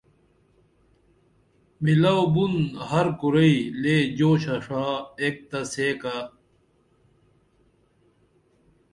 مِلو بُن ہر کُرئی لے جوشہ ݜا ایک تہ سیکہ